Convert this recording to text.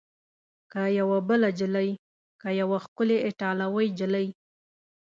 که یوه بله نجلۍ؟ که یوه ښکلې ایټالوۍ نجلۍ؟